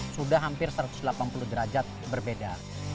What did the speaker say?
sudah hampir satu ratus delapan puluh derajat berbeda